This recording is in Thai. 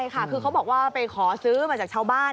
ใช่ค่ะคือเขาบอกว่าไปขอซื้อมาจากชาวบ้าน